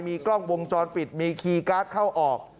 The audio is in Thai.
มีกล้องวงจรปิดมีคีย์การ์ดเข้าออก